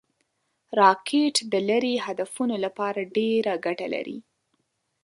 راکټ د لرې هدفونو لپاره ډېره ګټه لري